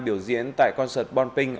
biểu diễn tại concert bonpring